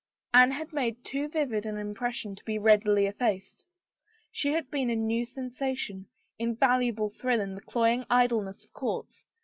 Anne had made too vivid an impression to be readily effaced. She had been a new sensation — invaluable thrill in the cloying idleness of courts!